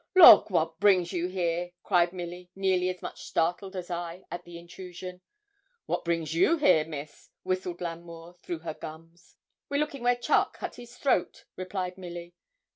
'Lawk! what brings you here?' cried Milly, nearly as much startled as I at the intrusion. 'What brings you here, miss?' whistled L'Amour through her gums. 'We're looking where Charke cut his throat,' replied Milly.